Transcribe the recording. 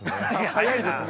◆早いですね。